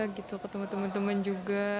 ketemu teman teman juga